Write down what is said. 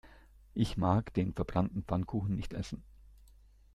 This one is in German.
Ich mag den verbrannten Pfannkuchen nicht essen.